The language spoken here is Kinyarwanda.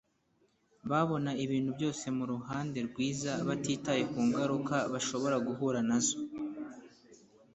babona ibintu byose mu ruhande rwiza batitaye ku ngaruka bashobora guhura nazo